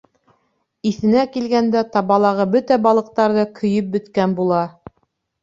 Иҫенә килгәндә, табалағы бөтә балыҡтар ҙа көйөп бөткән була.